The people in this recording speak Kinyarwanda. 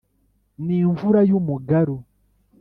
N imvura y umugaru